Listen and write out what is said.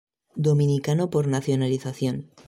Dominicano por nacionalización.